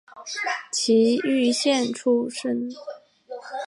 崎玉县出身。